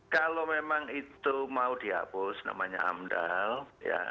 kalau memang itu mau dihapus namanya amdal ya